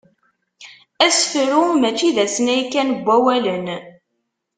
Asefru mačči d asnay kan n wawalen.